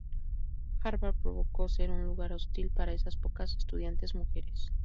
Harvard probó ser un lugar hostil para esas pocas estudiantes mujeres.